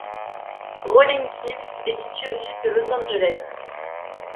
Rolling Hills est située au sud de Los Angeles.